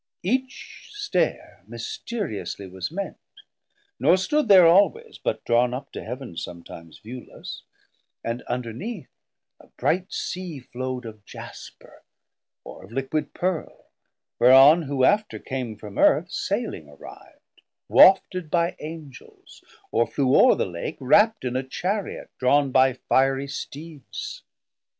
Each Stair mysteriously was meant, nor stood There alwaies, but drawn up to Heav'n somtimes Viewless, and underneath a bright Sea flow'd Of Jasper, or of liquid Pearle, whereon Who after came from Earth, sayling arriv'd, 520 Wafted by Angels, or flew o're the Lake Rapt in a Chariot drawn by fiery Steeds.